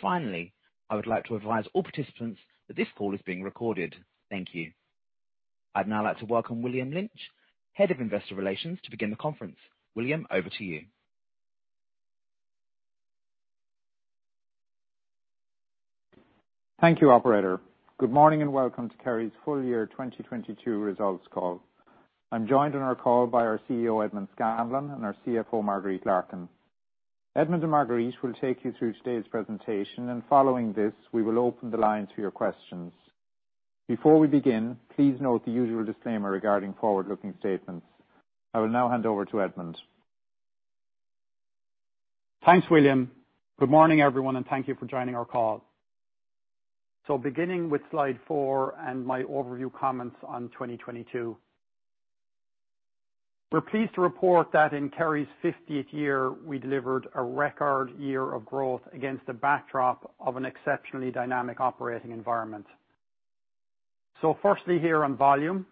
Finally, I would like to advise all participants that this call is being recorded. Thank you. I'd now like to welcome William Lynch, Head of Investor Relations, to begin the conference. William, over to you. Thank you, operator. Good morning. Welcome to Kerry's full year 2022 results call. I'm joined on our call by our CEO Edmond Scanlon and our CFO Marguerite Larkin. Edmond and Marguerite will take you through today's presentation. Following this, we will open the line to your questions. Before we begin, please note the usual disclaimer regarding forward-looking statements. I will now hand over to Edmond. Thanks, William. Good morning, everyone, thank you for joining our call. Beginning with Slide 4 and my overview comments on 2022. We're pleased to report that in Kerry's 50th year, we delivered a record year of growth against the backdrop of an exceptionally dynamic operating environment. Firstly, here on volume,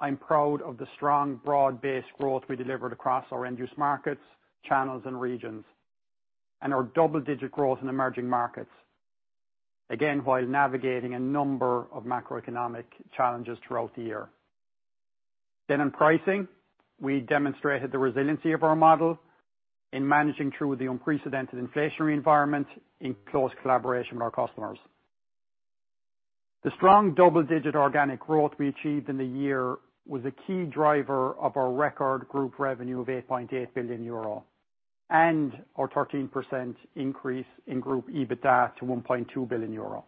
I'm proud of the strong broad-based growth we delivered across our end-use markets, channels and regions, and our double-digit growth in emerging markets, again, while navigating a number of macroeconomic challenges throughout the year. In pricing, we demonstrated the resiliency of our model in managing through the unprecedented inflationary environment in close collaboration with our customers. The strong double-digit organic growth we achieved in the year was a key driver of our record group revenue of 8.8 billion euro and our 13% increase in group EBITDA to 1.2 billion euro.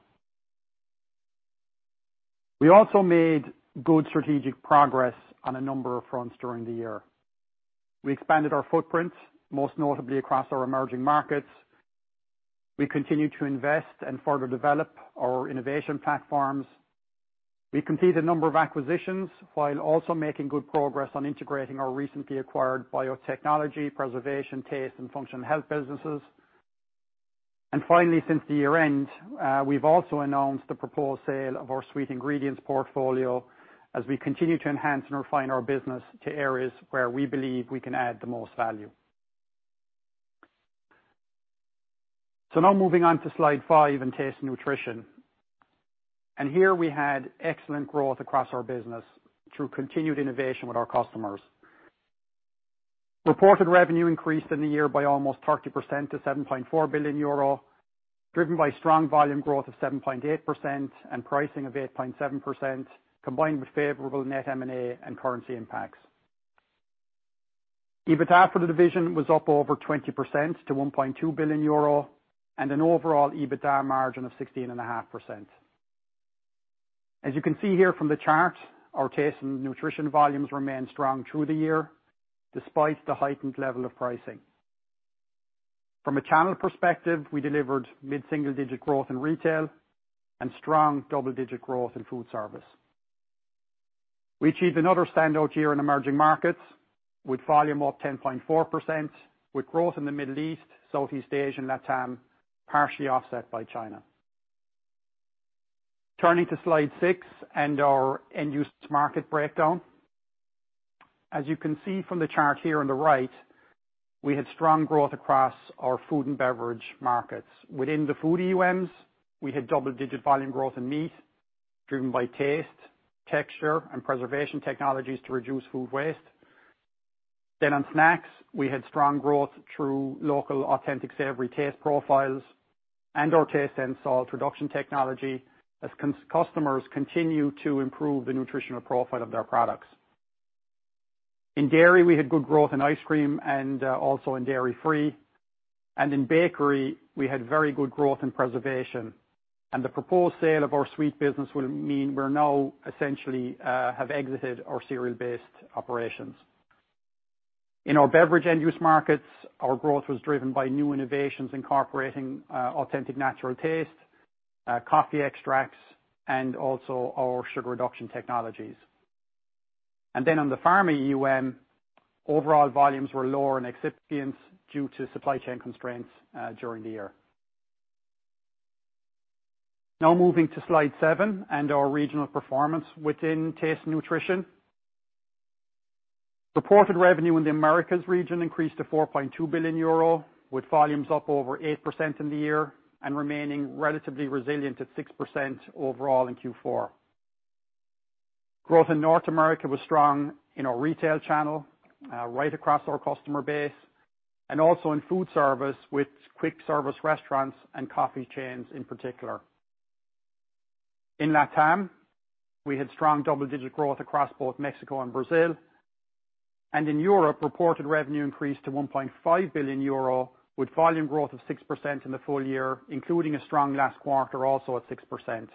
We also made good strategic progress on a number of fronts during the year. We expanded our footprint, most notably across our Emerging Markets. We continued to invest and further develop our innovation platforms. We completed a number of acquisitions while also making good progress on integrating our recently acquired biotechnology, preservation, taste, and functional health businesses. Finally, since the year-end, we've also announced the proposed sale of our Sweet Ingredients Portfolio as we continue to enhance and refine our business to areas where we believe we can add the most value. Now moving on to Slide 5 in Taste & Nutrition. Here we had excellent growth across our business through continued innovation with our customers. Reported revenue increased in the year by almost 30% to 7.4 billion euro, driven by strong volume growth of 7.8% and pricing of 8.7%, combined with favorable net M&A and currency impacts. EBITDA for the division was up over 20% to 1.2 billion euro and an overall EBITDA margin of 16.5%. As you can see here from the chart, our Taste & Nutrition volumes remain strong through the year, despite the heightened level of pricing. From a channel perspective, we delivered mid-single-digit growth in retail and strong double-digit growth in food service. We achieved another standout year in emerging markets with volume up 10.4% with growth in the Middle East, Southeast Asia, and Latam, partially offset by China. Turning to Slide 6 and our end-use market breakdown. As you can see from the chart here on the right, we had strong growth across our food and beverage markets. Within the food EWMs, we had double-digit volume growth in meat, driven by taste, texture, and preservation technologies to reduce food waste. On snacks, we had strong growth through local authentic savory taste profiles and our taste and salt reduction technology as customers continue to improve the nutritional profile of their products. In dairy, we had good growth in ice cream and also in dairy-free. In bakery, we had very good growth in preservation. The proposed sale of our sweet business will mean we're now essentially have exited our cereal based operations. In our beverage end-use markets, our growth was driven by new innovations incorporating authentic natural taste, coffee extracts, and also our sugar reduction technologies. On the pharma EUM, overall volumes were lower in excipients due to supply chain constraints during the year. Now moving to Slide 7 and our regional performance within Taste & Nutrition. Reported revenue in the Americas region increased to 4.2 billion euro, with volumes up over 8% in the year and remaining relatively resilient at 6% overall in Q4. Growth in North America was strong in our retail channel, right across our customer base, and also in food service with quick service restaurants and coffee chains in particular. In LatAm, we had strong double-digit growth across both Mexico and Brazil. In Europe, reported revenue increased to 1.5 billion euro, with volume growth of 6% in the full year, including a strong last quarter, also at 6%.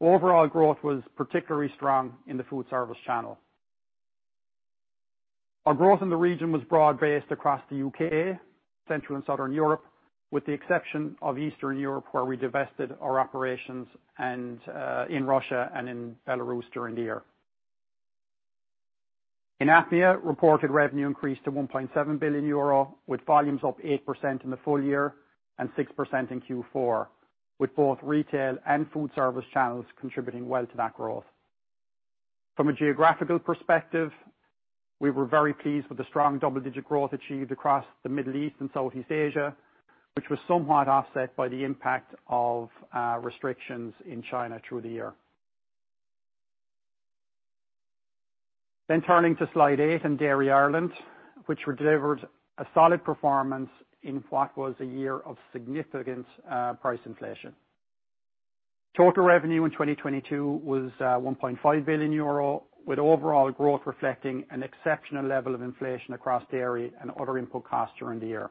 Overall growth was particularly strong in the food service channel. Our growth in the region was broad-based across the UK, Central and Southern Europe, with the exception of Eastern Europe, where we divested our operations and in Russia and in Belarus during the year. In APMEA, reported revenue increased to 1.7 billion euro, with volumes up 8% in the full year and 6% in Q4, with both retail and food service channels contributing well to that growth. From a geographical perspective, we were very pleased with the strong double-digit growth achieved across the Middle East and Southeast Asia, which was somewhat offset by the impact of restrictions in China through the year. Turning to Slide 8 and Dairy Ireland, which delivered a solid performance in what was a year of significant price inflation. Total revenue in 2022 was 1.5 billion euro, with overall growth reflecting an exceptional level of inflation across dairy and other input costs during the year.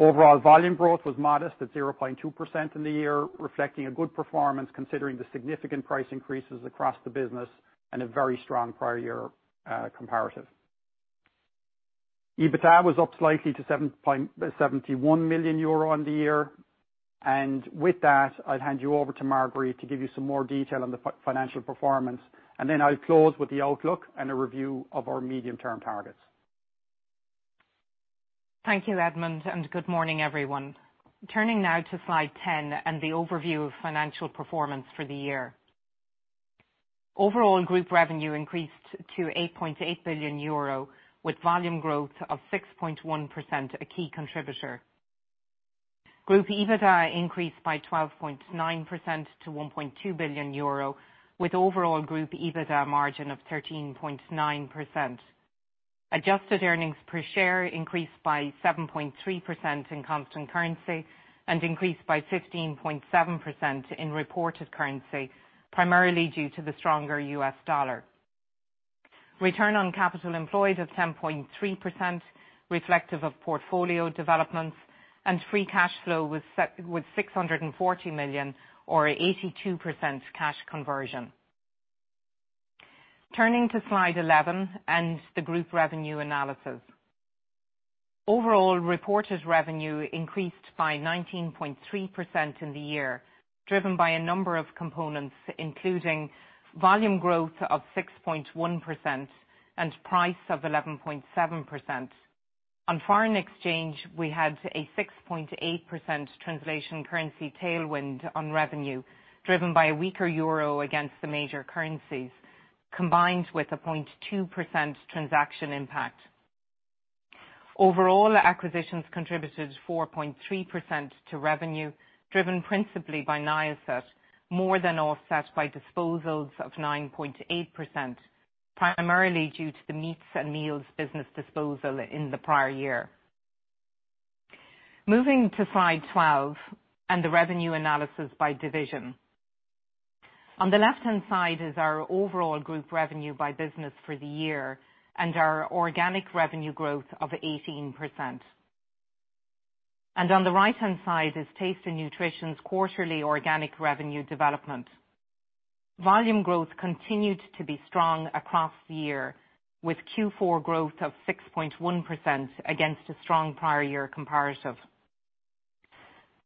Overall volume growth was modest, at 0.2% in the year, reflecting a good performance considering the significant price increases across the business and a very strong prior year comparative. EBITDA was up slightly to 71 million euro on the year, and with that, I'll hand you over to Marguerite to give you some more detail on the financial performance. Then I'll close with the outlook and a review of our medium-term targets. Thank you, Edmund, and good morning, everyone. Turning now to Slide 10 and the overview of financial performance for the year. Overall group revenue increased to 8.8 billion euro, with volume growth of 6.1% a key contributor. Group EBITDA increased by 12.9% to 1.2 billion euro, with overall group EBITDA margin of 13.9%. Adjusted earnings per share increased by 7.3% in constant currency and increased by 15.7% in reported currency, primarily due to the stronger USD. Return on capital employed of 10.3% reflective of portfolio developments and free cash flow was 640 million or 82% cash conversion. Turning to Slide 11 and the group revenue analysis. Overall reported revenue increased by 19.3% in the year, driven by a number of components, including volume growth of 6.1% and price of 11.7%. On foreign exchange, we had a 6.8% translation currency tailwind on revenue, driven by a weaker EUR against the major currencies, combined with a 0.2% transaction impact. Overall, acquisitions contributed 4.3% to revenue, driven principally by Niacet, more than offset by disposals of 9.8%, primarily due to the Meats and Meals business disposal in the prior year. Moving to Slide 12 and the revenue analysis by division. On the left-hand side is our overall group revenue by business for the year and our organic revenue growth of 18%. On the right-hand side is Taste & Nutrition's quarterly organic revenue development. Volume growth continued to be strong across the year, with Q4 growth of 6.1% against a strong prior year comparative.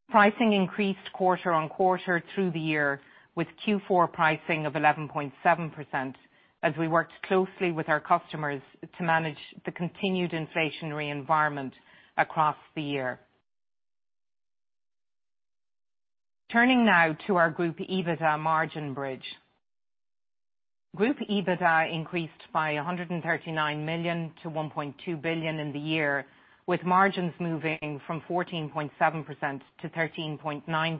Pricing increased quarter-on-quarter through the year, with Q4 pricing of 11.7% as we worked closely with our customers to manage the continued inflationary environment across the year. Turning now to our group EBITDA margin bridge. Group EBITDA increased by 139 million to 1.2 billion in the year, with margins moving from 14.7%-13.9% in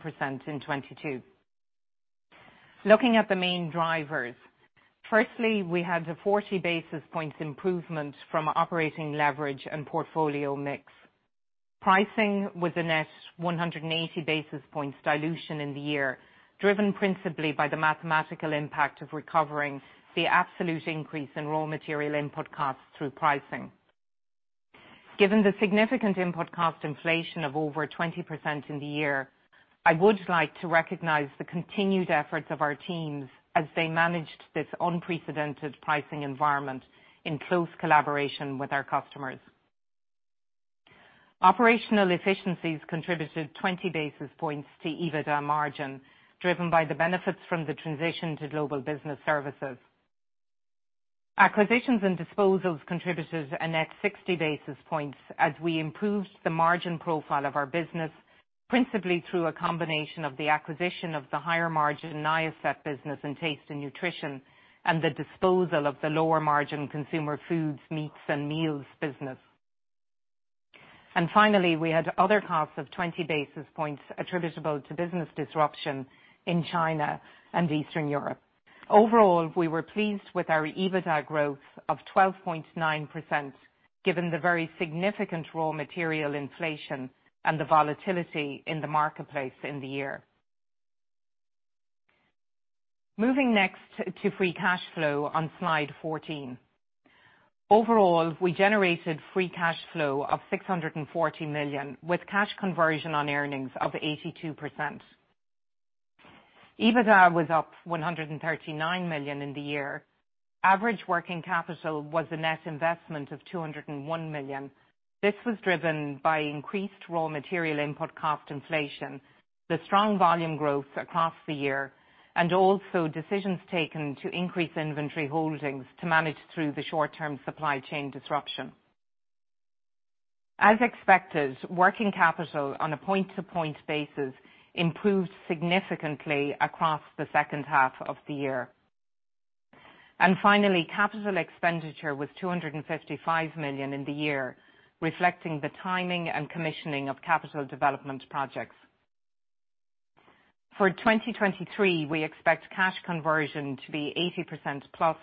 2022. Looking at the main drivers. Firstly, we had the 40 basis points improvement from operating leverage and portfolio mix. Pricing was a net 180 basis points dilution in the year, driven principally by the mathematical impact of recovering the absolute increase in raw material input costs through pricing. Given the significant input cost inflation of over 20% in the year, I would like to recognize the continued efforts of our teams as they managed this unprecedented pricing environment in close collaboration with our customers. Operational efficiencies contributed 20 basis points to EBITDA margin, driven by the benefits from the transition to Global Business Services. Acquisitions and disposals contributed a net 60 basis points as we improved the margin profile of our business, principally through a combination of the acquisition of the higher margin Niacet business in Taste & Nutrition and the disposal of the lower margin Consumer Foods' Meats and Meals business. Finally, we had other costs of 20 basis points attributable to business disruption in China and Eastern Europe. Overall, we were pleased with our EBITDA growth of 12.9%, given the very significant raw material inflation and the volatility in the marketplace in the year. Moving next to free cash flow on Slide 14. Overall, we generated free cash flow of 640 million, with cash conversion on earnings of 82%. EBITDA was up 139 million in the year. Average working capital was a net investment of 201 million. This was driven by increased raw material input cost inflation, the strong volume growth across the year, and also decisions taken to increase inventory holdings to manage through the short-term supply chain disruption. As expected, working capital on a point to point basis improved significantly across the second half of the year. Finally, capital expenditure was 255 million in the year, reflecting the timing and commissioning of capital development projects. For 2023, we expect cash conversion to be 80%+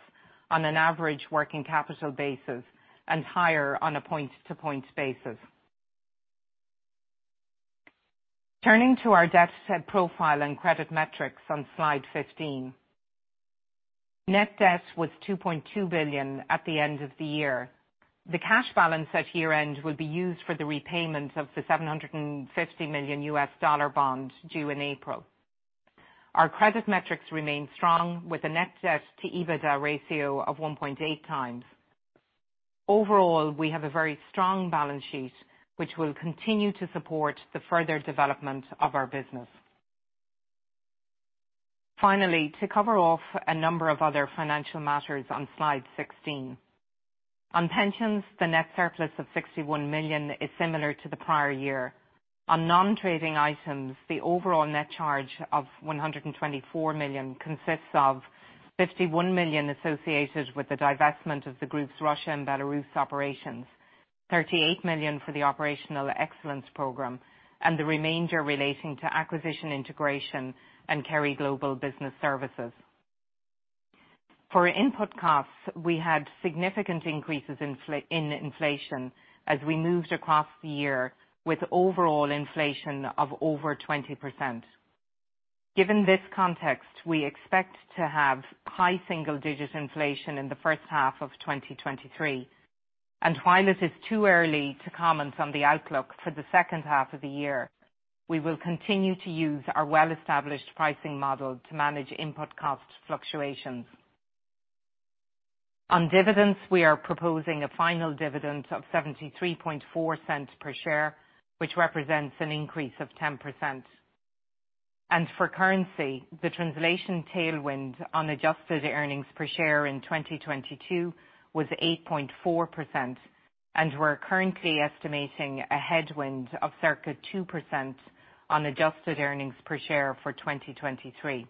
on an average working capital basis and higher on a point to point basis. Turning to our debt profile and credit metrics on Slide 15. Net debt was 2.2 billion at the end of the year. The cash balance at year-end will be used for the repayment of the $750 million US dollar bond due in April. Our credit metrics remain strong with a net debt to EBITDA ratio of 1.8x. Overall, we have a very strong balance sheet which will continue to support the further development of our business. Finally, to cover off a number of other financial matters on Slide 16. On pensions, the net surplus of 61 million is similar to the prior year. On non-trading items, the overall net charge of 124 million consists of 51 million associated with the divestment of the group's Russia and Belarus operations, 38 million for the Operational Excellence program and the remainder relating to acquisition integration and Kerry Global Business Services. For input costs, we had significant increases in inflation as we moved across the year with overall inflation of over 20%. Given this context, we expect to have high single-digit inflation in the first half of 2023. While it is too early to comment on the outlook for the second half of the year, we will continue to use our well-established pricing model to manage input cost fluctuations. On dividends, we are proposing a final dividend of 0.734 per share, which represents an increase of 10%. For currency, the translation tailwind on adjusted EPS in 2022 was 8.4%. We're currently estimating a headwind of circa 2% on adjusted EPS for 2023.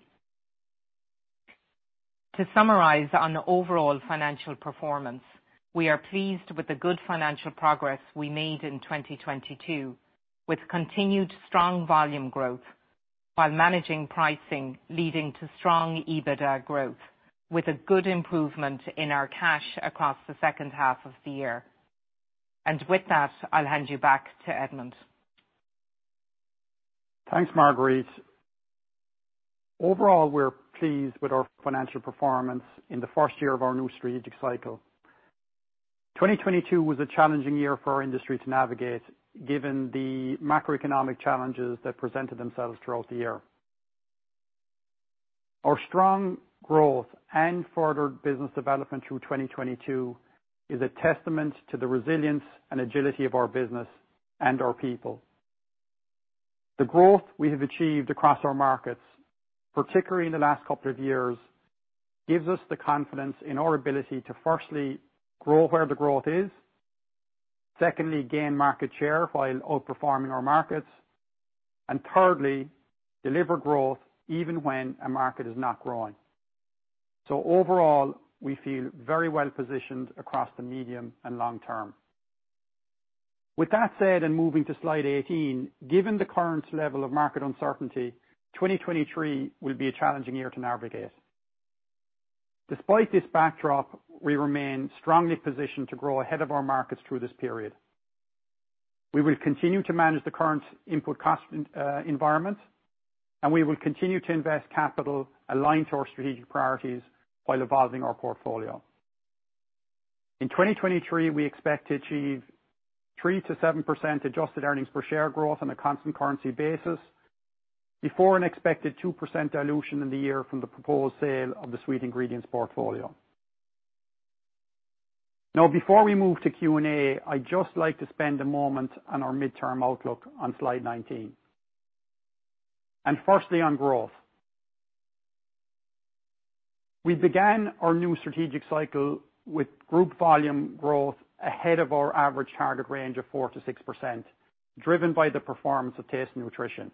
To summarize on the overall financial performance, we are pleased with the good financial progress we made in 2022, with continued strong volume growth while managing pricing, leading to strong EBITDA growth, with a good improvement in our cash across the second half of the year. With that, I'll hand you back to Edmund. Thanks, Marguerite. Overall, we're pleased with our financial performance in the first year of our new strategic cycle. 2022 was a challenging year for our industry to navigate, given the macroeconomic challenges that presented themselves throughout the year. Our strong growth and further business development through 2022 is a testament to the resilience and agility of our business and our people. The growth we have achieved across our markets, particularly in the last couple of years, gives us the confidence in our ability to firstly, grow where the growth is. Secondly, gain market share while outperforming our markets. Thirdly, deliver growth even when a market is not growing. Overall, we feel very well positioned across the medium and long term. With that said, moving to Slide 18, given the current level of market uncertainty, 2023 will be a challenging year to navigate. Despite this backdrop, we remain strongly positioned to grow ahead of our markets through this period. We will continue to manage the current input cost environment, and we will continue to invest capital aligned to our strategic priorities while evolving our portfolio. In 2023, we expect to achieve 3%-7% adjusted earnings per share growth on a constant currency basis before an expected 2% dilution in the year from the proposed sale of the Sweet Ingredients Portfolio. Before we move to Q&A, I'd just like to spend a moment on our midterm outlook on Slide 19. Firstly, on growth. We began our new strategic cycle with group volume growth ahead of our average target range of 4%-6%, driven by the performance of Taste & Nutrition.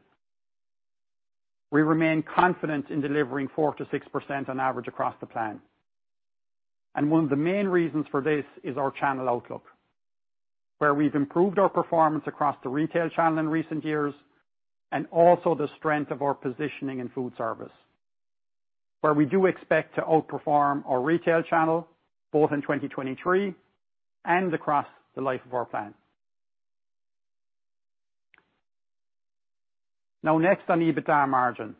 We remain confident in delivering 4%-6% on average across the plan. One of the main reasons for this is our channel outlook, where we've improved our performance across the retail channel in recent years and also the strength of our positioning in food service, where we do expect to outperform our retail channel both in 2023 and across the life of our plan. Next on EBITDA margin.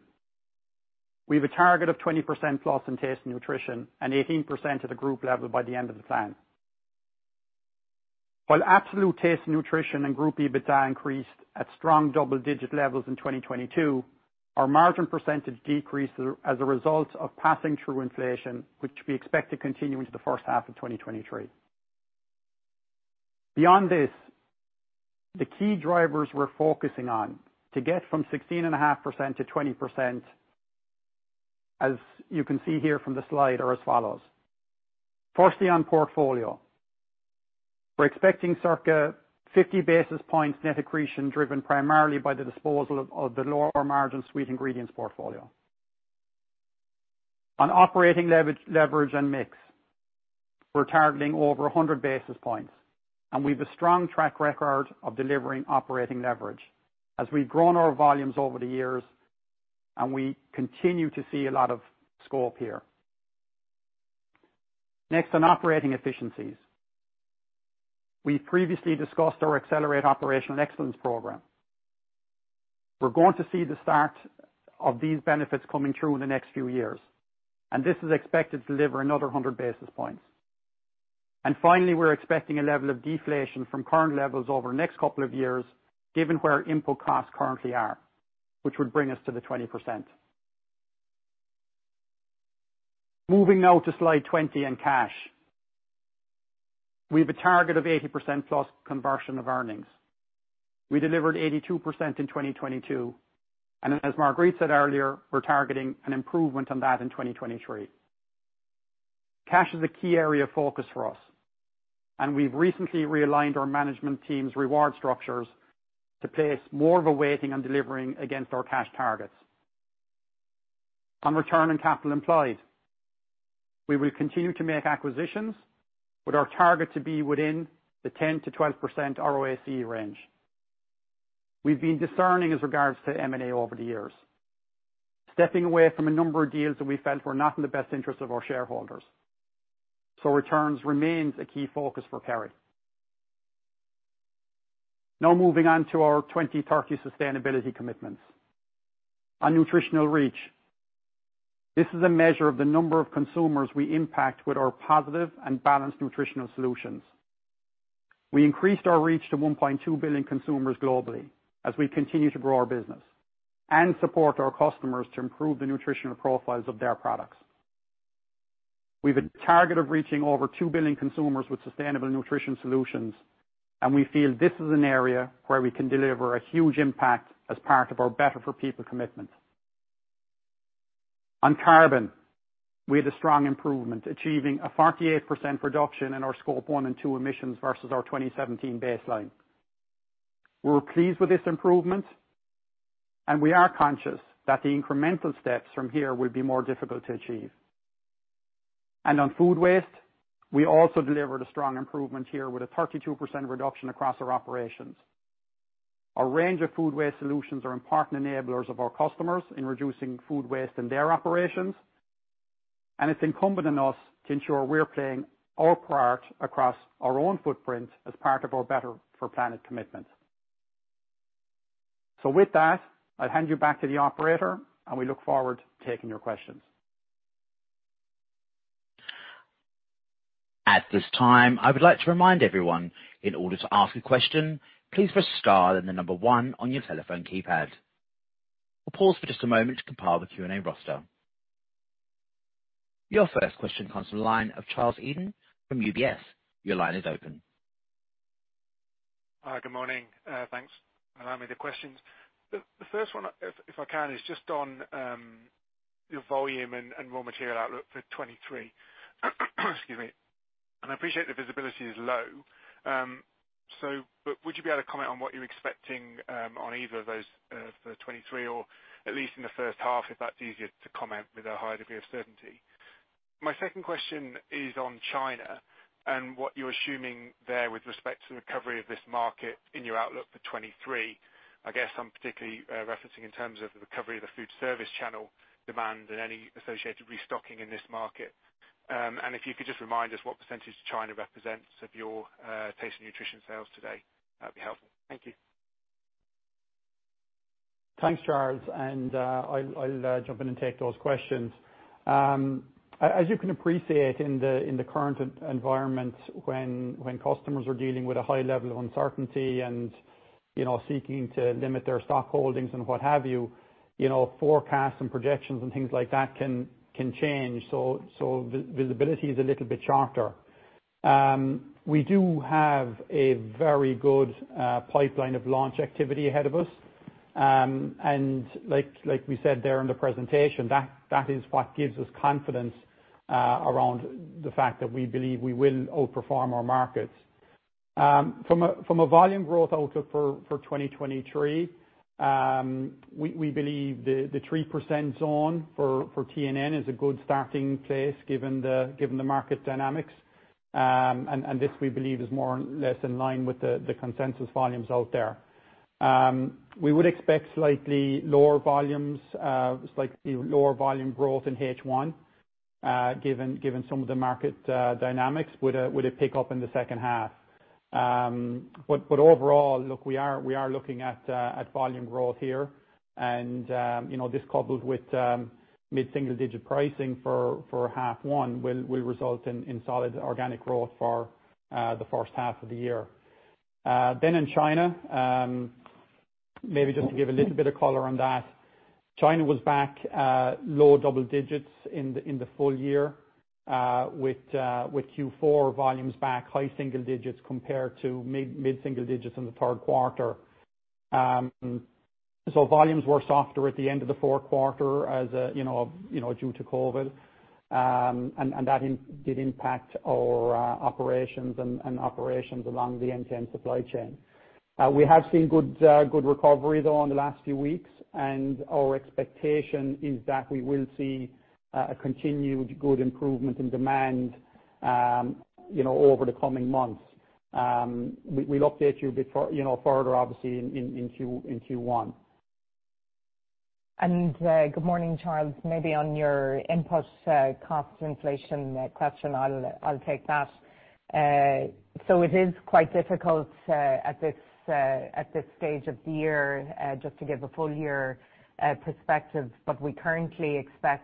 We have a target of 20%+ in Taste & Nutrition and 18% at the group level by the end of the plan. While absolute Taste & Nutrition and group EBITDA increased at strong double-digit levels in 2022, our margin percentage decreased as a result of passing through inflation, which we expect to continue into the first half of 2023. Beyond this, the key drivers we're focusing on to get from 16.5%-20%. As you can see here from the slide are as follows. Firstly, on portfolio, we're expecting circa 50 basis points net accretion driven primarily by the disposal of the lower margin Sweet Ingredients Portfolio. On operating leverage and mix, we're targeting over 100 basis points. We've a strong track record of delivering operating leverage as we've grown our volumes over the years. We continue to see a lot of scope here. Next on operating efficiencies. We previously discussed our Accelerate Operational Excellence program. We're going to see the start of these benefits coming through in the next few years. This is expected to deliver another 100 basis points. Finally, we're expecting a level of deflation from current levels over the next couple of years given where input costs currently are, which would bring us to the 20%. Moving now to Slide 20 and cash. We have a target of 80%+ conversion of earnings. We delivered 82% in 2022, and as Marguerite said earlier, we're targeting an improvement on that in 2023. Cash is a key area of focus for us, and we've recently realigned our management team's reward structures to place more of a weighting on delivering against our cash targets. On return and capital employed, we will continue to make acquisitions with our target to be within the 10%-12% ROACE range. We've been discerning as regards to M&A over the years, stepping away from a number of deals that we felt were not in the best interest of our shareholders. Returns remains a key focus for Kerry. Moving on to our 2030 sustainability commitments. On nutritional reach, this is a measure of the number of consumers we impact with our positive and balanced nutritional solutions. We increased our reach to 1.2 billion consumers globally as we continue to grow our business and support our customers to improve the nutritional profiles of their products. We've a target of reaching over 2 billion consumers with sustainable nutrition solutions. We feel this is an area where we can deliver a huge impact as part of our Better for People commitment. On carbon, we had a strong improvement, achieving a 48% reduction in our Scope 1 and 2 emissions versus our 2017 baseline. We're pleased with this improvement. We are conscious that the incremental steps from here will be more difficult to achieve. On food waste, we also delivered a strong improvement here with a 32% reduction across our operations. Our range of food waste solutions are important enablers of our customers in reducing food waste in their operations. It's incumbent on us to ensure we're playing our part across our own footprint as part of our Better for Planet commitment. With that, I'll hand you back to the operator. We look forward to taking your questions. At this time, I would like to remind everyone, in order to ask a question, please press star then one on your telephone keypad. We'll pause for just a moment to compile the Q&A roster. Your first question comes from the line of Charles Eden from UBS. Your line is open. Hi. Good morning. Thanks for allowing me the questions. The first one if I can is just on your volume and raw material outlook for 2023. Excuse me. I appreciate the visibility is low. Would you be able to comment on what you're expecting on either of those for 2023 or at least in the first half if that's easier to comment with a higher degree of certainty? My second question is on China and what you're assuming there with respect to the recovery of this market in your outlook for 2023. I guess I'm particularly referencing in terms of the recovery of the food service channel demand and any associated restocking in this market. If you could just remind us what percentage China represents of your Taste & Nutrition sales today, that'd be helpful. Thank you. Thanks, Charles, I'll jump in and take those questions. As you can appreciate in the current environment when customers are dealing with a high level of uncertainty and, you know, seeking to limit their stock holdings and what have you know, forecasts and projections and things like that can change. Visibility is a little bit shorter. We do have a very good pipeline of launch activity ahead of us. Like we said there in the presentation, that is what gives us confidence around the fact that we believe we will outperform our markets. From a volume growth outlook for 2023, we believe the 3% zone for TNN is a good starting place given the market dynamics. This we believe is more or less in line with the consensus volumes out there. We would expect slightly lower volumes, slightly lower volume growth in H1, given some of the market dynamics with a pick up in the second half. Overall, look, we are looking at volume growth here and, you know, this coupled with mid-single digit pricing for H1 will result in solid organic growth for the first half of the year. In China, maybe just to give a little bit of color on that, China was back low double digits in the full year, with Q4 volumes back high single digits compared to mid single digits in the third quarter. Volumes were softer at the end of the fourth quarter as, you know, due to COVID, and that did impact our operations and operations along the end-to-end supply chain. We have seen good recovery though in the last few weeks, and our expectation is that we will see a continued good improvement in demand, you know, over the coming months. We, we'll update you before, you know, further obviously in Q1. Good morning, Charles. Maybe on your input cost inflation question, I'll take that. It is quite difficult at this stage of the year just to give a full year perspective, but we currently expect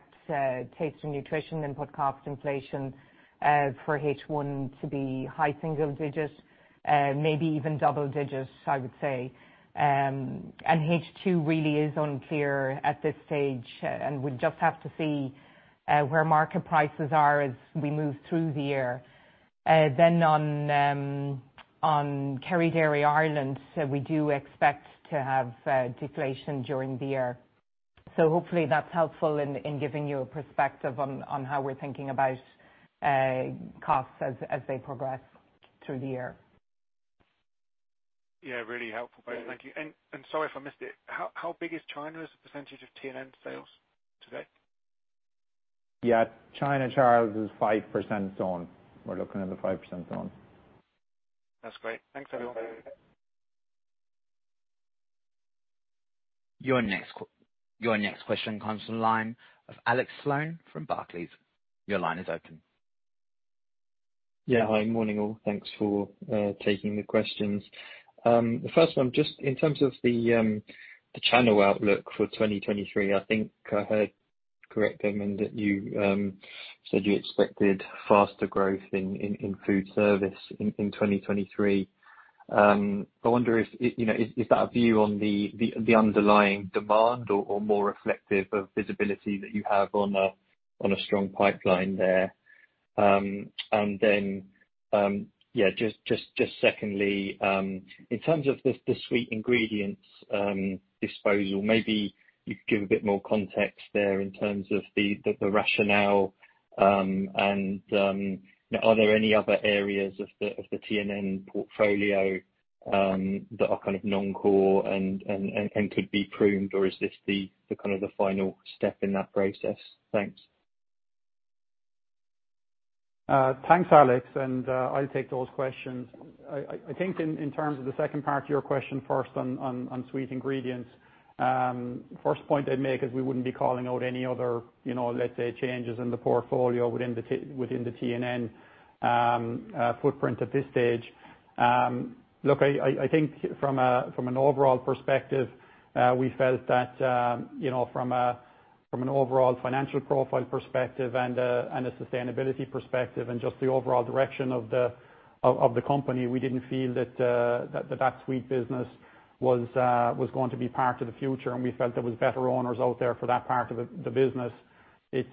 Taste & Nutrition input cost inflation for H1 to be high single digits, maybe even double digits, I would say. H2 really is unclear at this stage, and we just have to see where market prices are as we move through the year. On Kerry Dairy Ireland, we do expect to have deflation during the year. Hopefully that's helpful in giving you a perspective on how we're thinking about costs as they progress through the year. Yeah, really helpful. Both. Thank you. Sorry if I missed it. How big is China as a percentage of TNN sales to date? Yeah, China, Charles, is 5% zone. We're looking at the 5% zone. That's great. Thanks everyone. Your next question comes from the line of Alex Sloane from Barclays. Your line is open. Yeah. Hi. Morning, all. Thanks for taking the questions. The first one, just in terms of the China outlook for 2023, I think I heard correct, Edmond, that you said you expected faster growth in food service in 2023. I wonder if, you know, is that a view on the underlying demand or more reflective of visibility that you have on a strong pipeline there? Then, secondly, in terms of the Sweet Ingredients disposal, maybe you could give a bit more context there in terms of the rationale, and are there any other areas of the, of the TNN portfolio that are kind of non-core and could be pruned, or is this the kind of the final step in that process? Thanks. Thanks, Alex, I'll take those questions. I think in terms of the second part of your question first on Sweet Ingredients, first point I'd make is we wouldn't be calling out any other, you know, let's say, changes in the portfolio within the TNN footprint at this stage. Look, I think from an overall perspective, we felt that, you know, from an overall financial profile perspective and a sustainability perspective and just the overall direction of the company, we didn't feel that Sweet Business was going to be part of the future, and we felt there was better owners out there for that part of the business. It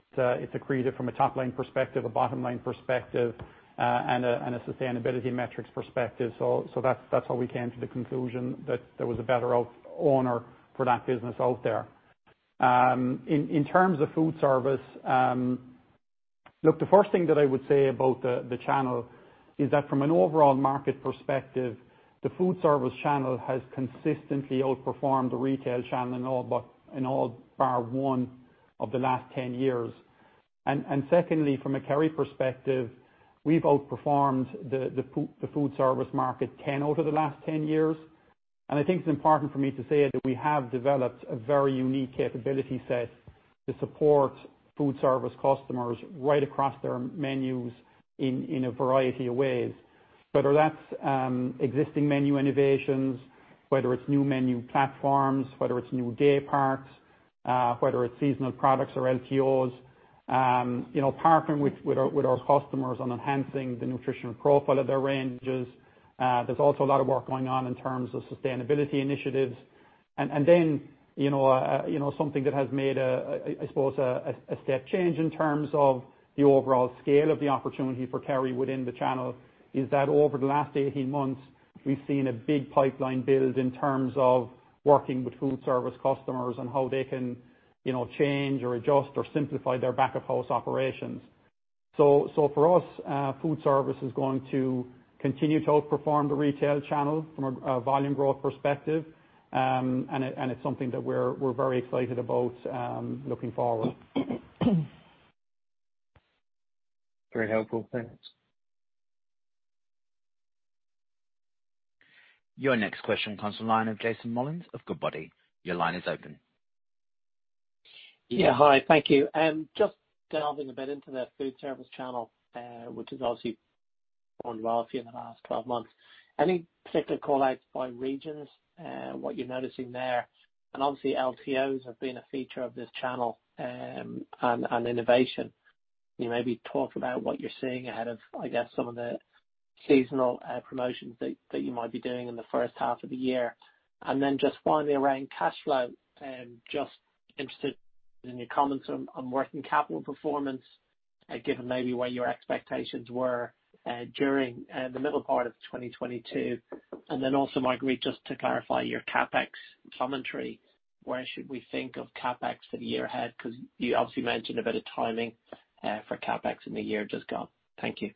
accreted from a top line perspective, a bottom line perspective, and a, and a sustainability metrics perspective. That's how we came to the conclusion that there was a better owner for that business out there. In, in terms of food service, look, the first thing that I would say about the channel is that from an overall market perspective, the food service channel has consistently outperformed the retail channel in all but, in all bar one of the last 10 years. Secondly, from a Kerry perspective, we've outperformed the food service market 10 out of the last 10 years. I think it's important for me to say that we have developed a very unique capability set to support food service customers right across their menus in a variety of ways. Whether that's existing menu innovations, whether it's new menu platforms, whether it's new day parts, whether it's seasonal products or LTOs, you know, partnering with our customers on enhancing the nutritional profile of their ranges. There's also a lot of work going on in terms of sustainability initiatives. Then, you know, something that has made a, I suppose, a step change in terms of the overall scale of the opportunity for Kerry within the channel is that over the last 18 months, we've seen a big pipeline build in terms of working with food service customers on how they can, you know, change or adjust or simplify their back-of-house operations. For us, food service is going to continue to outperform the retail channel from a volume growth perspective. It's something that we're very excited about, looking forward. Very helpful. Thanks. Your next question comes from the line of Jason Molins of Goodbody. Your line is open. Yeah. Hi. Thank you. Just delving a bit into the food service channel, which has obviously performed well for you in the last 12 months. Any particular call outs by regions, what you're noticing there? Obviously, LTOs have been a feature of this channel, and innovation. Can you maybe talk about what you're seeing ahead of, I guess, some of the seasonal promotions that you might be doing in the first half of the year? Just finally around cash flow, just interested in your comments on working capital performance given maybe where your expectations were during the middle part of 2022. Also, Marguerite, just to clarify your CapEx commentary, where should we think of CapEx for the year ahead? You obviously mentioned a bit of timing, for CapEx in the year just gone. Thank you.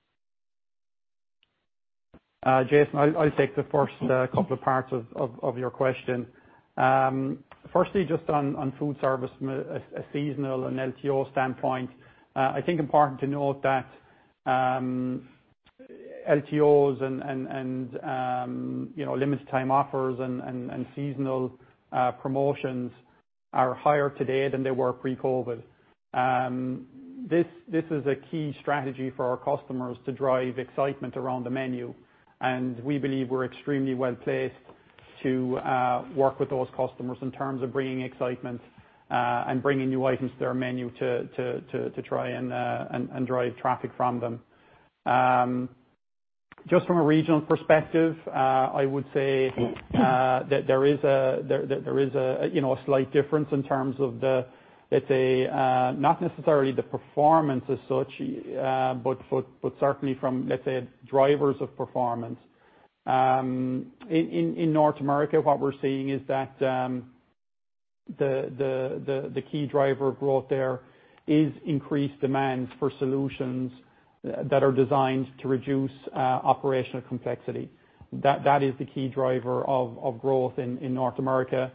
Jason, I'll take the first couple of parts of your question. Firstly, just on food service from a seasonal and LTO standpoint, I think important to note that LTOs and, you know, limited time offers and seasonal promotions are higher today than they were pre-COVID. This is a key strategy for our customers to drive excitement around the menu, and we believe we're extremely well-placed to work with those customers in terms of bringing excitement and bringing new items to our menu to try and drive traffic from them. Just from a regional perspective, I would say that there is a, you know, a slight difference in terms of the, let's say, not necessarily the performance as such, but certainly from, let's say, drivers of performance. In North America, what we're seeing is that the key driver of growth there is increased demands for solutions that are designed to reduce operational complexity. That is the key driver of growth in North America.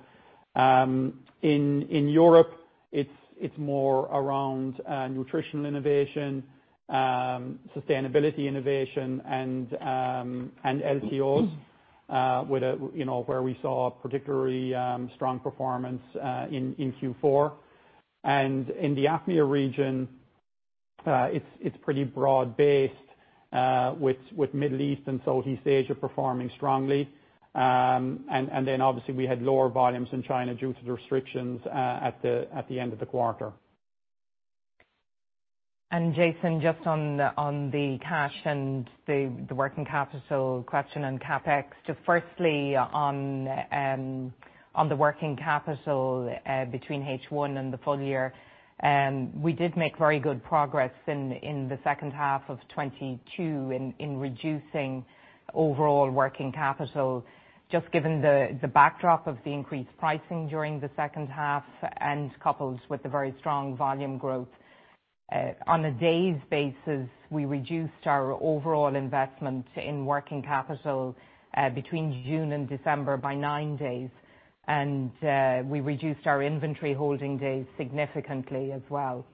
In Europe, it's more around nutritional innovation, sustainability innovation and LTOs, with a, you know, where we saw a particularly strong performance in Q4. In the APMEA region, it's pretty broad-based, with Middle East and Southeast Asia performing strongly. Then obviously we had lower volumes in China due to the restrictions at the end of the quarter. Jason, just on the cash and the working capital question and CapEx. Firstly on the working capital, between H1 and the full year, we did make very good progress in reducing overall working capital. Just given the backdrop of the increased pricing during the second half and coupled with the very strong volume growth. On a days basis, we reduced our overall investment in working capital, between June and December by nine days. We reduced our inventory holding days significantly as well.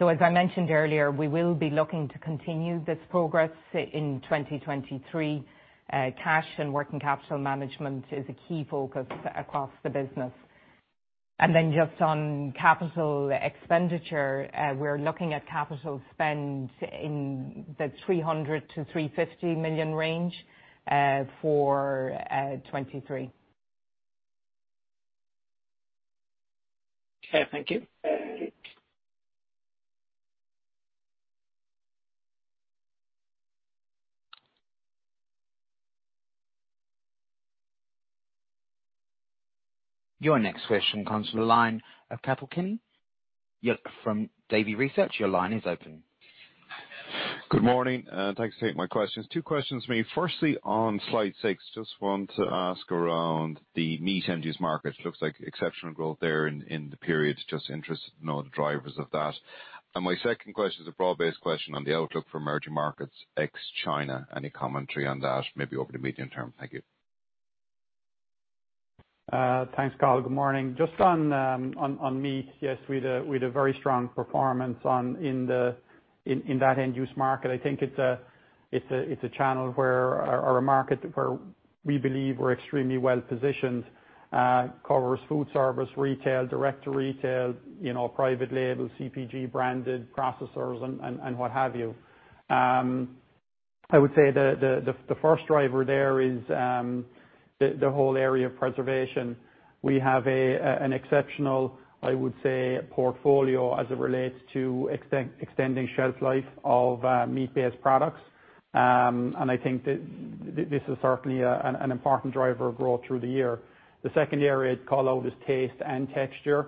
As I mentioned earlier, we will be looking to continue this progress in 2023. Cash and working capital management is a key focus across the business. Just on capital expenditure, we're looking at capital spend in the 300 million-350 million range for 2023. Okay, thank you. Your next question comes from the line of Cathal Kenny from Davy Research, your line is open. Good morning. Thanks for taking my questions. Two questions for me. Firstly, on Slide 6, just want to ask around the meat End-Use Market. Looks like exceptional growth there in the period. Just interested to know the drivers of that. My second question is a broad-based question on the outlook for Emerging Markets ex China. Any commentary on that, maybe over the medium term? Thank you. Thanks Cathal. Good morning. Just on meat. Yes, we'd a very strong performance in that end use market. I think it's a channel where or a market where we believe we're extremely well positioned. Covers food service, retail, direct to retail, you know, private label, CPG branded, processors and what have you. I would say the first driver there is the whole area of preservation. We have an exceptional, I would say, portfolio as it relates to extending shelf life of meat-based products. I think that this is certainly an important driver of growth through the year. The second area I'd call out is taste and texture,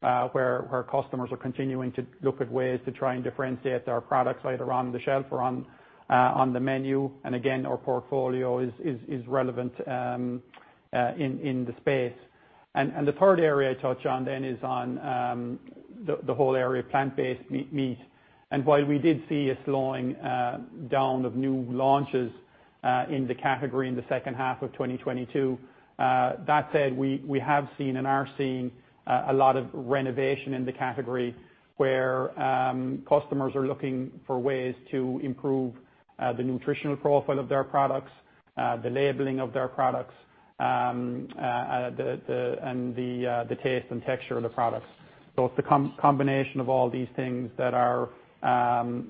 where customers are continuing to look at ways to try and differentiate our products, either on the shelf or on the menu. Again, our portfolio is relevant in the space. The third area I touch on then is on the whole area of plant-based meat. While we did see a slowing down of new launches in the category in the second half of 2022, that said, we have seen and are seeing a lot of renovation in the category where customers are looking for ways to improve the nutritional profile of their products, the labeling of their products, and the taste and texture of the products. It's the combination of all these things that are,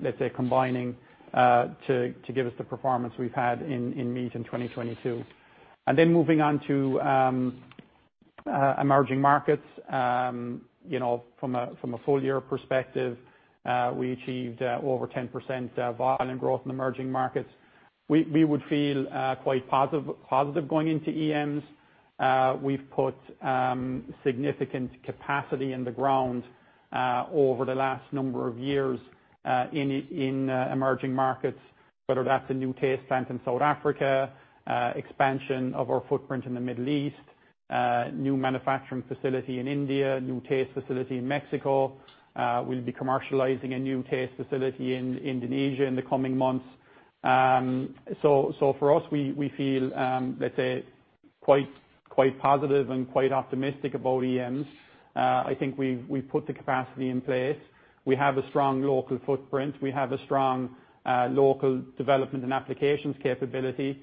let's say, combining to give us the performance we've had in meat in 2022. Moving on to Emerging Markets. You know, from a full year perspective, we achieved over 10% volume growth in Emerging Markets. We would feel quite positive going into EMs. We've put significant capacity in the ground over the last number of years in Emerging Markets, whether that's a new taste plant in South Africa, expansion of our footprint in the Middle East, new manufacturing facility in India, new taste facility in Mexico. We'll be commercializing a new taste facility in Indonesia in the coming months. For us, we feel, let's say quite positive and quite optimistic about EMs. I think we put the capacity in place. We have a strong local footprint. We have a strong local development and applications capability.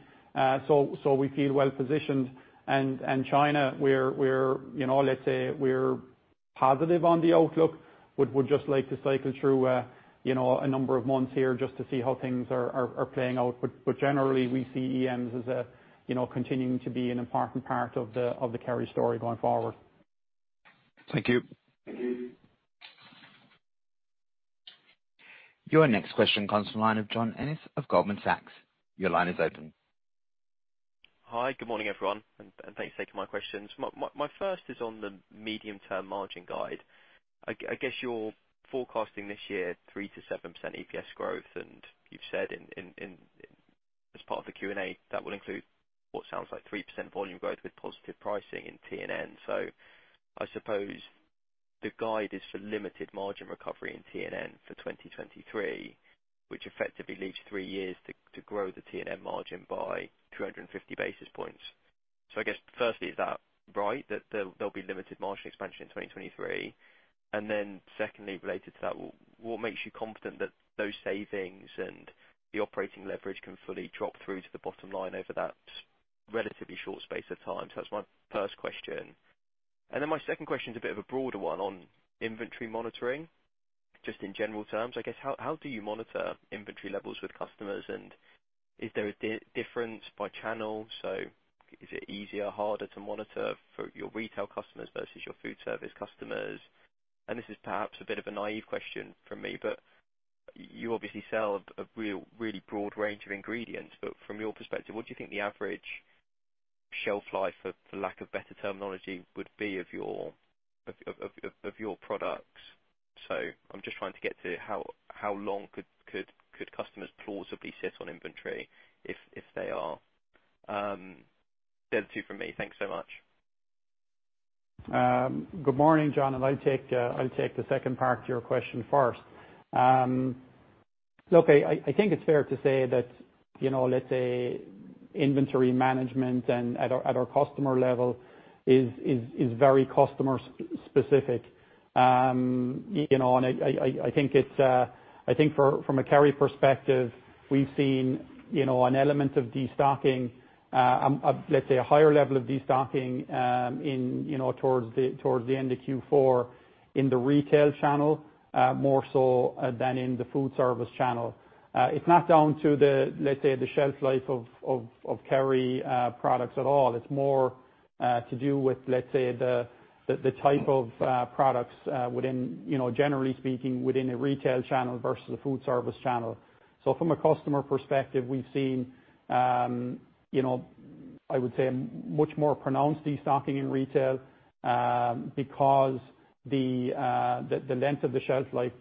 So we feel well positioned. China, we're, you know, let's say we're positive on the outlook. Would just like to cycle through, you know, a number of months here just to see how things are playing out. Generally, we see EMs as a, you know, continuing to be an important part of the Kerry story going forward. Thank you. Your next question comes from line of John Ennis of Goldman Sachs. Your line is open. Hi. Good morning, everyone, and thanks for taking my questions. My first is on the medium term margin guide. I guess you're forecasting this year 3%-7% EPS growth, and you've said as part of the Q&A that will include what sounds like 3% volume growth with positive pricing in TNN. I suppose the guide is for limited margin recovery in TNN for 2023, which effectively leaves three years to grow the TNN margin by 250 basis points. I guess firstly, is that right, that there'll be limited margin expansion in 2023? Then secondly, related to that, what makes you confident that those savings and the operating leverage can fully drop through to the bottom line over that relatively short space of time? That's my first question. My second question is a bit of a broader one on inventory monitoring. Just in general terms, I guess, how do you monitor inventory levels with customers, and is there a difference by channel? Is it easier, harder to monitor for your retail customers versus your food service customers? This is perhaps a bit of a naive question from me, but you obviously sell a real, really broad range of ingredients. From your perspective, what do you think the average shelf life, for lack of better terminology, would be of your products? I'm just trying to get to how long could customers plausibly sit on inventory if they are. They're the two from me. Thanks so much. Good morning, John. I'll take the second part to your question first. Look, I think it's fair to say that, you know, let's say inventory management at our customer level is very customer-specific. You know, I think from a Kerry perspective, we've seen, you know, an element of destocking, let's say a higher level of destocking, in towards the end of Q4 in the retail channel, more so than in the food service channel. It's not down to the, let's say, the shelf life of Kerry products at all. It's more to do with, let's say the type of products within, you know, generally speaking, within a retail channel versus a food service channel. From a customer perspective, we've seen, you know, I would say much more pronounced destocking in retail, because the length of the shelf life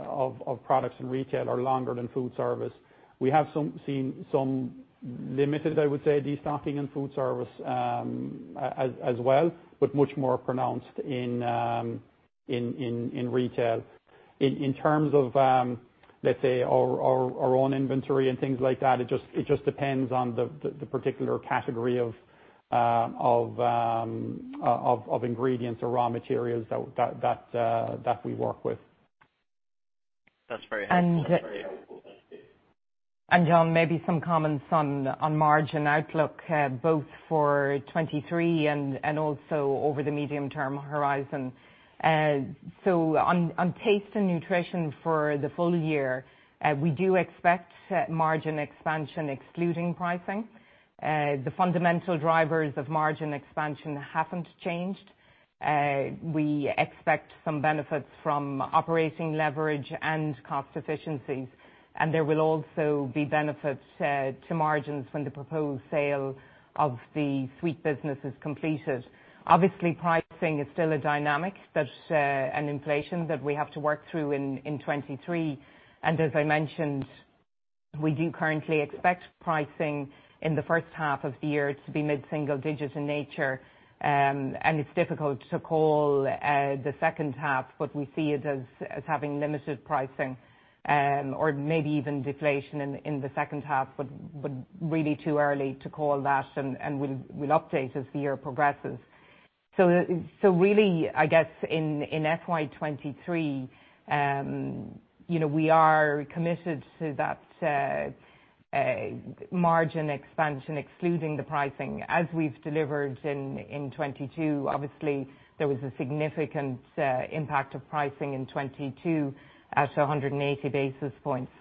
of products in retail are longer than food service. We have seen some limited, I would say, destocking in food service, as well, but much more pronounced in retail. In terms of, let's say our own inventory and things like that, it just depends on the particular category of ingredients or raw materials that we work with. That's very helpful. And. That's very helpful. Thanks. John, maybe some comments on margin outlook, both for 2023 and also over the medium-term horizon. On Taste & Nutrition for the full year, we do expect margin expansion excluding pricing. The fundamental drivers of margin expansion haven't changed. We expect some benefits from operating leverage and cost efficiencies, and there will also be benefits to margins when the proposed sale of the sweet business is completed. Obviously, pricing is still a dynamic that an inflation that we have to work through in 2023. As I mentioned, we do currently expect pricing in the first half of the year to be mid-single digits in nature. It's difficult to call the second half, but we see it as having limited pricing, or maybe even deflation in the second half, but really too early to call that and we'll update as the year progresses. Really, I guess in FY 2023, you know, we are committed to that margin expansion excluding the pricing as we've delivered in 2022. Obviously, there was a significant impact of pricing in 2022 at 180 basis points.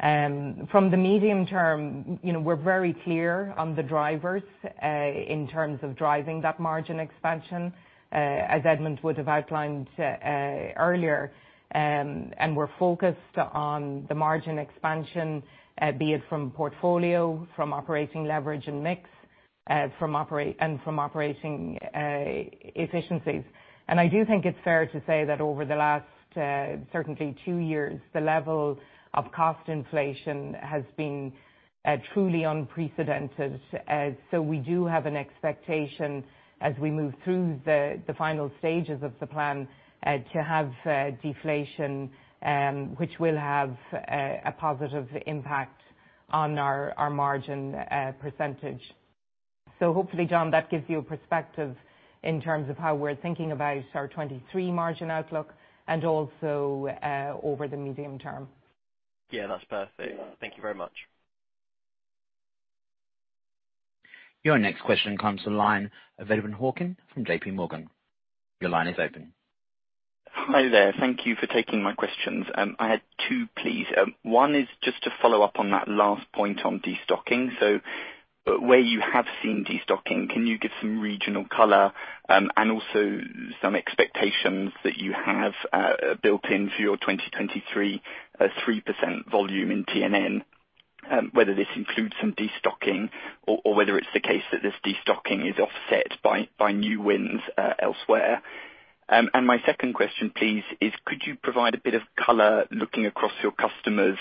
From the medium term, you know, we're very clear on the drivers in terms of driving that margin expansion as Edmond would have outlined earlier. We're focused on the margin expansion, be it from portfolio, from operating leverage and mix and from operating efficiencies. I do think it's fair to say that over the last, certainly two years, the level of cost inflation has been truly unprecedented. We do have an expectation as we move through the final stages of the plan, to have deflation, which will have a positive impact on our margin percentage. Hopefully, John, that gives you a perspective in terms of how we're thinking about our 2023 margin outlook and also over the medium term. Yeah, that's perfect. Thank you very much. Your next question comes to the line of Edward Hawkins from JPMorgan. Your line is open. Hi there. Thank you for taking my questions. I had two please. One is just to follow up on that last point on destocking. Where you have seen destocking, can you give some regional color, and also some expectations that you have built in for your 2023 3% volume in TNN, whether this includes some destocking or whether it's the case that this destocking is offset by new wins elsewhere. My second question please is could you provide a bit of color looking across your customers,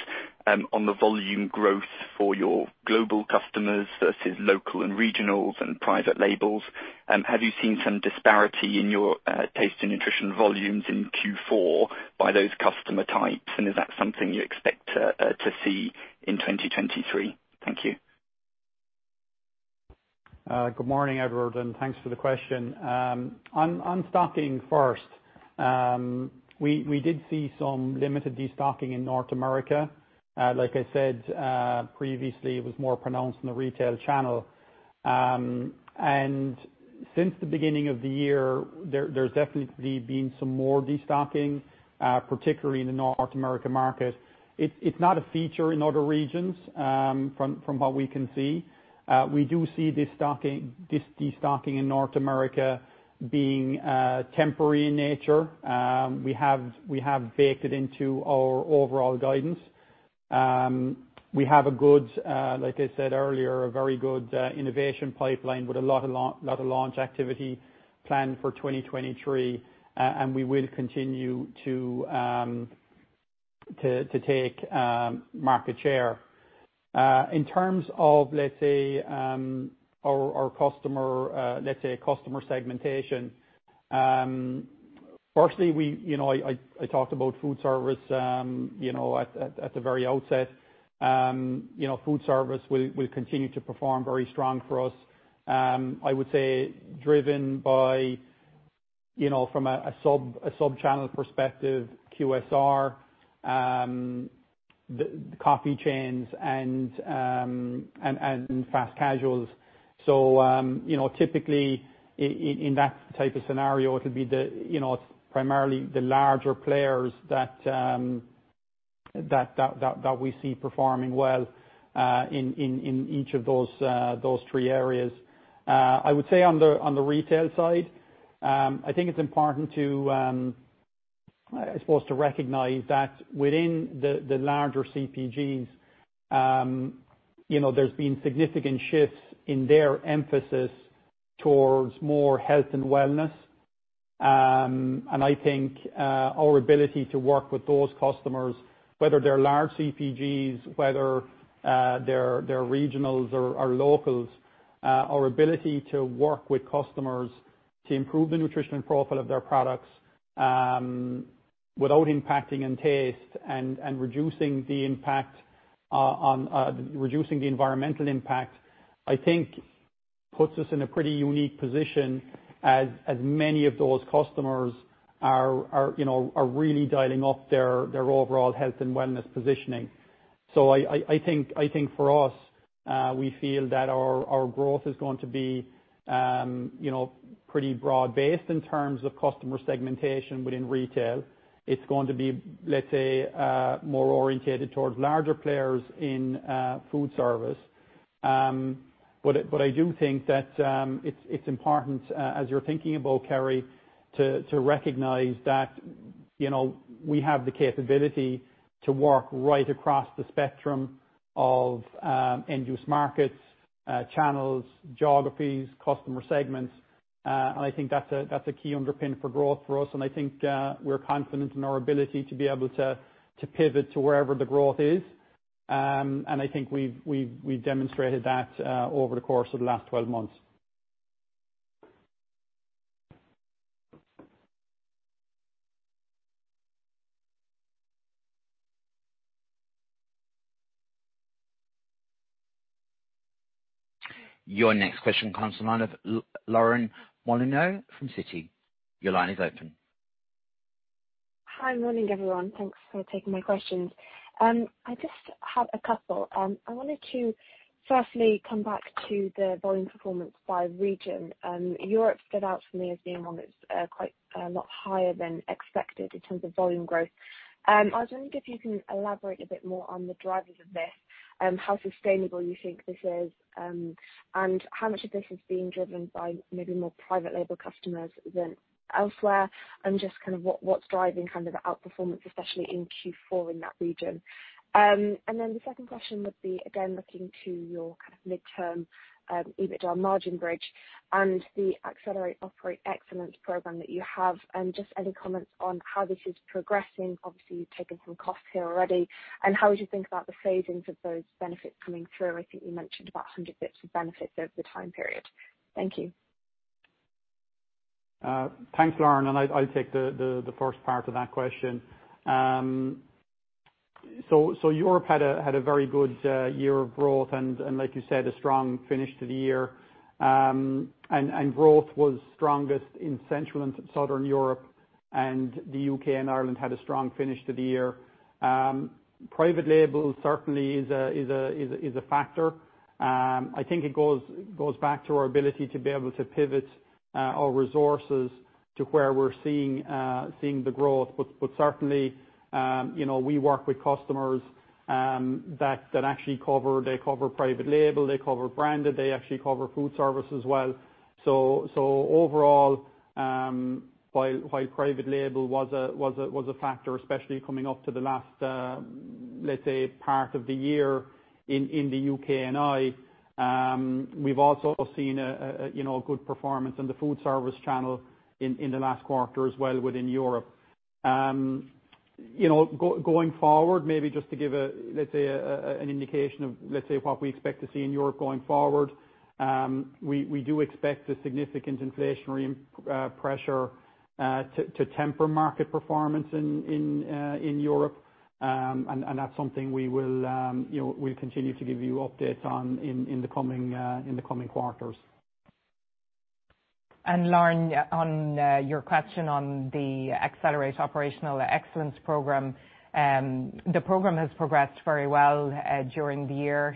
on the volume growth for your global customers versus local and regionals and private labels? Have you seen some disparity in your Taste & Nutrition volumes in Q4 by those customer types? And is that something you expect to see in 2023? Thank you. Good morning, Edward, and thanks for the question. On stocking first, we did see some limited destocking in North America. Like I said, previously it was more pronounced in the retail channel. Since the beginning of the year, there's definitely been some more destocking, particularly in the North America market. It's not a feature in other regions, from what we can see. We do see destocking, this destocking in North America being temporary in nature. We have baked it into our overall guidance. We have a good, like I said earlier, a very good innovation pipeline with a lot of launch activity planned for 2023. We will continue to take market share. In terms of, let's say, our customer, let's say customer segmentation. Firstly, we, you know, I talked about food service, you know, at the very outset. You know, food service will continue to perform very strong for us. I would say driven by, you know, from a sub-channel perspective, QSR, the coffee chains and fast casuals. Typically, you know, in that type of scenario, it'll be the, you know, it's primarily the larger players that we see performing well, in each of those three areas. I would say on the, on the retail side, I think it's important to, I suppose to recognize that within the larger CPGs, you know, there's been significant shifts in their emphasis towards more health and wellness. I think our ability to work with those customers, whether they're large CPGs, whether they're regionals or locals, our ability to work with customers to improve the nutrition and profit of their products, without impacting in taste and reducing the impact on reducing the environmental impact, I think puts us in a pretty unique position as many of those customers are, you know, are really dialing up their overall health and wellness positioning. I think for us, we feel that our growth is going to be, you know, pretty broad-based in terms of customer segmentation within retail. It's going to be, let's say, more orientated towards larger players in food service. I do think that it's important as you're thinking about Kerry to recognize that, you know, we have the capability to work right across the spectrum of End-Use Markets, channels, geographies, customer segments. I think that's a key underpin for growth for us. I think we're confident in our ability to be able to pivot to wherever the growth is. I think we've demonstrated that over the course of the last 12 months. Your next question comes from Leanne Malone from Citi. Your line is open. Hi. Morning, everyone. Thanks for taking my questions. I have a couple. I wanted to firstly come back to the volume performance by region. Europe stood out for me as being one that's quite a lot higher than expected in terms of volume growth. I was wondering if you can elaborate a bit more on the drivers of this, how sustainable you think this is, and how much of this is being driven by maybe more private label customers than elsewhere, and just kind of what's driving kind of the outperformance, especially in Q4 in that region? The second question would be, again, looking to your kind of midterm EBITDA margin bridge and the Accelerate Operational Excellence program that you have, and just any comments on how this is progressing. Obviously, you've taken some costs here already. How would you think about the phasings of those benefits coming through? I think you mentioned about 100 bits of benefits over the time period. Thank you. Thanks, Leanne, and I'll take the first part of that question. Europe had a very good year of growth and like you said, a strong finish to the year. Private label certainly is a factor. I think it goes back to our ability to be able to pivot our resources to where we're seeing the growth. Certainly, you know, we work with customers that actually cover, they cover private label, they cover branded, they actually cover food service as well. Overall, while private label was a factor, especially coming up to the last, let's say, part of the year in the UK and Ireland, we've also seen a, you know, good performance in the food service channel in the last quarter as well within Europe. You know, going forward, maybe just to give an indication of, let's say, what we expect to see in Europe going forward, we do expect a significant inflationary pressure to temper market performance in Europe. That's something we will, you know, we'll continue to give you updates on in the coming quarters. Leanne, on your question on the Accelerate Operational Excellence program, the program has progressed very well during the year,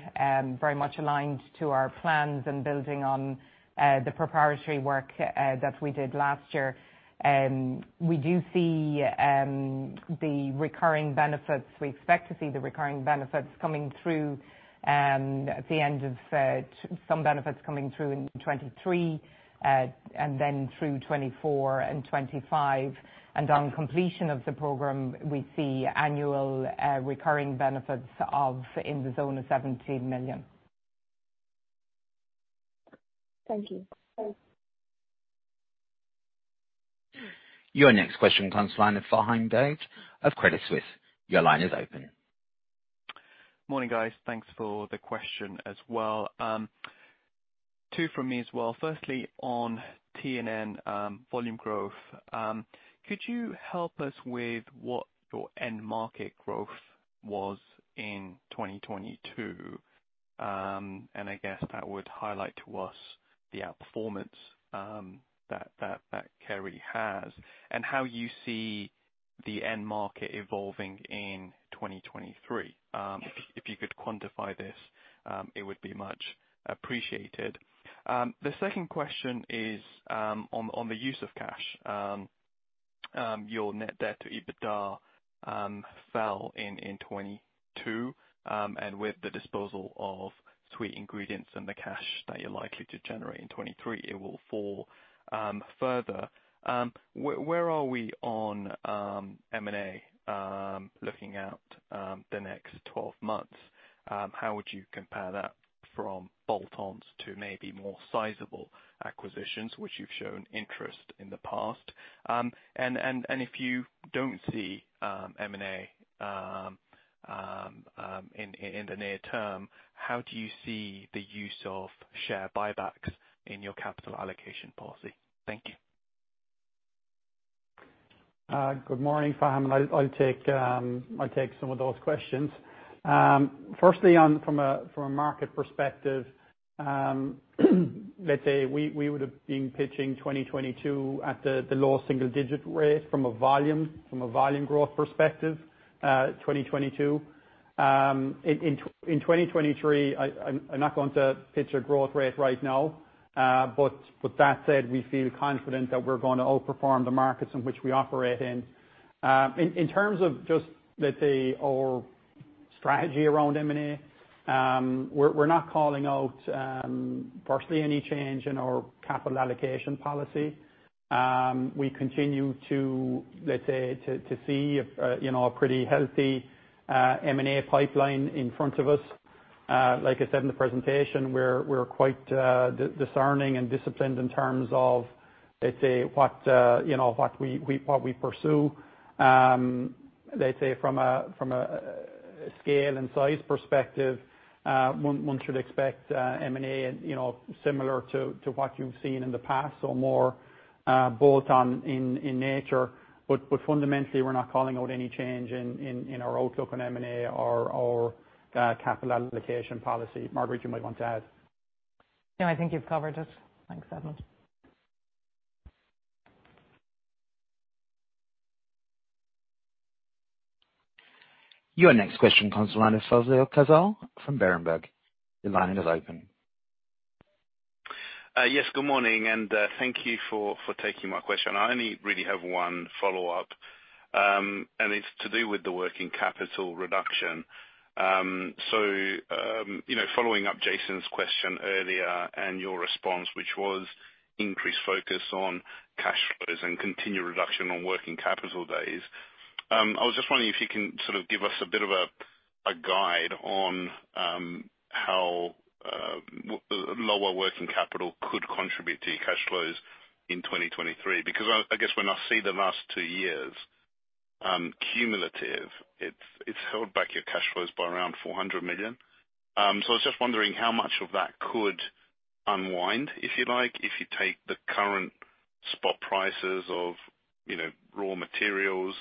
very much aligned to our plans and building on the proprietary work that we did last year. We do see the recurring benefits. We expect to see the recurring benefits coming through at the end of some benefits coming through in 2023, and then through 2024 and 2025. On completion of the program, we see annual recurring benefits of in the zone of 17 million. Thank you. Thanks. Your next question comes from the line of Faham Baig of Credit Suisse. Your line is open. Morning, guys. Thanks for the question as well. Two from me as well. Firstly, on TNN volume growth, could you help us with what your end market growth was in 2022? I guess that would highlight to us the outperformance that Kerry has and how you see the end market evolving in 2023. If you could quantify this, it would be much appreciated. The second question is on the use of cash. Your net debt to EBITDA fell in 2022, and with the disposal of Sweet Ingredients and the cash that you're likely to generate in 2023, it will fall further. Where are we on M&A looking out the next 12 months? How would you compare that from bolt-ons to maybe more sizable acquisitions, which you've shown interest in the past? If you don't see M&A in the near term, how do you see the use of share buybacks in your capital allocation policy? Thank you. Good morning, Faham. I'll take some of those questions. Firstly on from a market perspective, let's say we would've been pitching 2022 at the low single digit rate from a volume growth perspective, 2022. In 2023, I'm not going to pitch a growth rate right now. That said, we feel confident that we're gonna outperform the markets in which we operate in. In terms of just, let's say, our strategy around M&A, we're not calling out, firstly, any change in our capital allocation policy. We continue to, let's say, to see a, you know, a pretty healthy M&A pipeline in front of us. Like I said in the presentation, we're quite discerning and disciplined in terms of, let's say, what, you know, what we pursue. Let's say from a scale and size perspective, one should expect M&A and, you know, similar to what you've seen in the past or more bolt-on in nature. Fundamentally, we're not calling out any change in our outlook on M&A or capital allocation policy. Marguerite, you might want to add. No, I think you've covered it. Thanks, Edmond. Your next question comes from the line of Fulvio Cazzol from Berenberg. Your line is open. Yes, good morning, thank you for taking my question. I only really have one follow-up. It's to do with the working capital reduction. You know, following up Jason's question earlier and your response, which was increased focus on cash flows and continued reduction on working capital days. I was just wondering if you can sort of give us a bit of a guide on how lower working capital could contribute to your cash flows in 2023. I guess when I see the last two years, cumulative, it's held back your cash flows by around 400 million. I was just wondering how much of that could unwind, if you like, if you take the current spot prices of, you know, raw materials.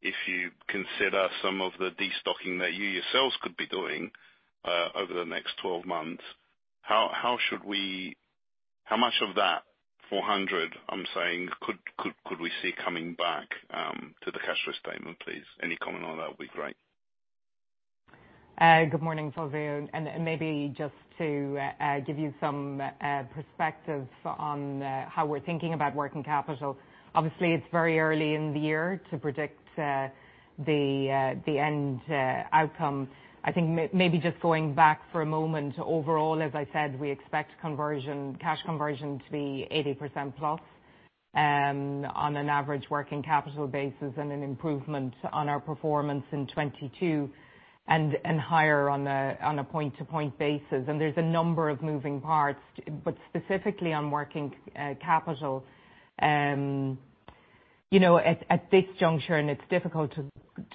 If you consider some of the destocking that you yourselves could be doing, over the next 12 months, How much of that 400, I'm saying could we see coming back to the cash flow statement, please. Any comment on that would be great. Good morning, Fulvio. Maybe just to give you some perspective on how we're thinking about working capital. Obviously, it's very early in the year to predict the end outcome. I think maybe just going back for a moment. Overall, as I said, we expect conversion, cash conversion to be 80%+, on an average working capital basis, and an improvement on our performance in 2022 and higher on a point-to-point basis. There's a number of moving parts. Specifically on working capital, you know, at this juncture, it's difficult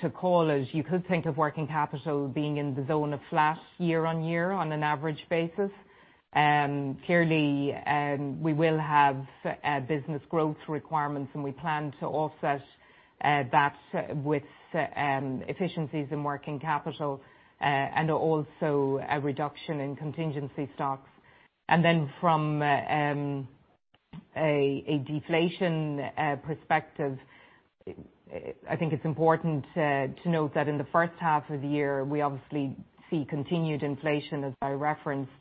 to call as you could think of working capital being in the zone of flat year-on-year on an average basis. Clearly, we will have business growth requirements, we plan to offset that with efficiencies in working capital, and also a reduction in contingency stocks. From a deflation perspective, I think it's important to note that in the first half of the year, we obviously see continued inflation, as I referenced.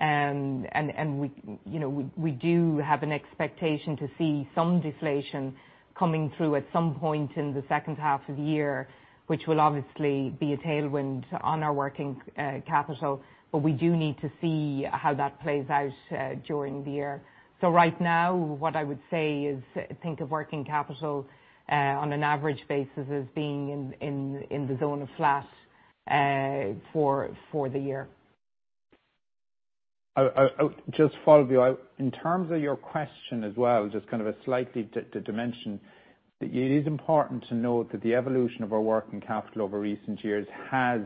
We, you know, we do have an expectation to see some deflation coming through at some point in the second half of the year, which will obviously be a tailwind on our working capital. We do need to see how that plays out during the year. Right now, what I would say is think of working capital on an average basis as being in the zone of flat for the year. Just follow you. In terms of your question as well, just kind of a slightly dimension. It is important to note that the evolution of our working capital over recent years has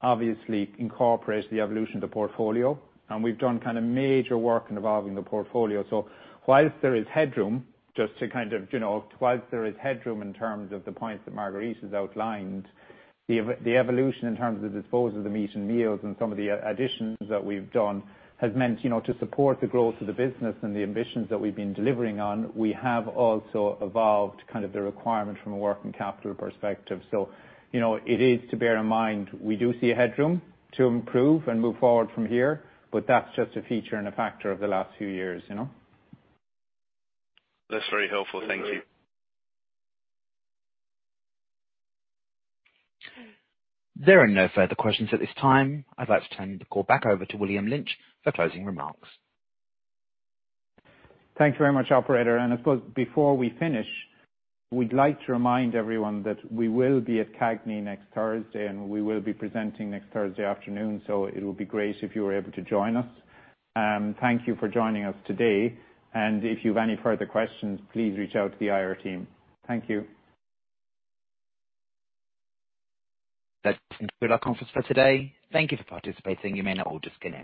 obviously incorporated the evolution of the portfolio, and we've done kind of major work in evolving the portfolio. Whilst there is headroom just to kind of, you know, whilst there is headroom in terms of the points that Marguerite has outlined. The evolution in terms of the disposal of the Meat and Meals and some of the additions that we've done has meant, you know, to support the growth of the business and the ambitions that we've been delivering on. We have also evolved kind of the requirement from a working capital perspective. You know, it is to bear in mind, we do see a headroom to improve and move forward from here, but that's just a feature and a factor of the last few years, you know. That's very helpful. Thank you. There are no further questions at this time. I'd like to turn the call back over to William Lynch for closing remarks. Thank you very much, operator. Of course, before we finish, we'd like to remind everyone that we will be at CAGNY next Thursday. We will be presenting next Thursday afternoon. It would be great if you were able to join us. Thank you for joining us today. If you've any further questions, please reach out to the IR team. Thank you. That concludes our conference for today. Thank you for participating. You may now all disconnect.